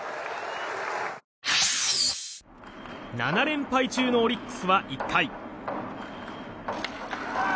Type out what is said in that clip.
７連敗中のオリックスは１回。